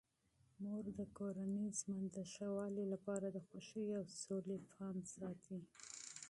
مور د کورني ژوند د ښه والي لپاره د خوښۍ او سولې پام ساتي.